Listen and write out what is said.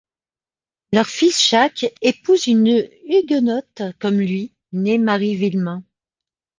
Leur fils Jacques épouse une huguenote comme lui, née Marie Villemain.